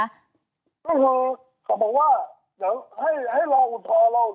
พี่พันธุ์เขาบอกว่าให้เราอุทธรณ์เราอุทธรณ์